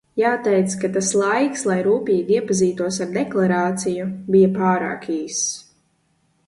Jāteic, ka tas laiks, lai rūpīgi iepazītos ar deklarāciju, bija pārāk īss.